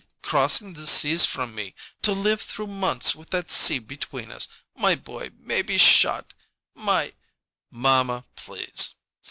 Crossing the seas from me! To live through months with that sea between us my boy maybe shot my " "Mamma, please!"